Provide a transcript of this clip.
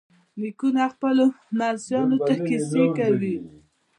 نیکونه خپلو لمسیانو ته کیسې کوي.